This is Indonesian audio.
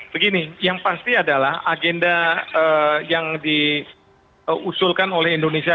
begini yang pasti adalah agenda yang diusulkan oleh indonesia